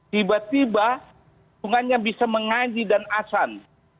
tiba tiba sungainya bisa mengaji dan asan